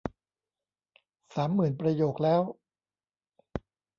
สามหมื่นประโยคแล้ว